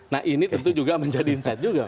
nah ini tentu juga menjadi insight juga